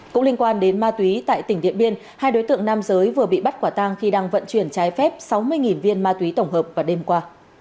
cũng liên quan đến ma túy tại tỉnh điện biên hai đối tượng nam giới vừa bị bắt quả tang khi đang vận chuyển trái phép sáu mươi viên ma túy tổng hợp vào đêm qua